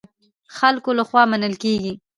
خلکو له خوا منل کېږي.